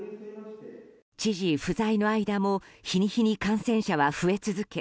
知事不在の間も日に日に感染者は増え続け